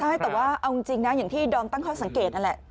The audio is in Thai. ใช่แต่ว่าเอาจริงนะอย่างที่ดอมตั้งข้อสังเกตนั่นแหละ